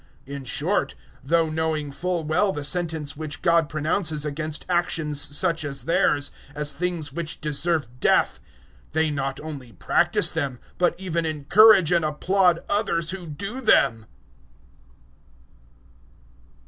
001:032 In short, though knowing full well the sentence which God pronounces against actions such as theirs, as things which deserve death, they not only practise them, but even encourage and applaud others who do them.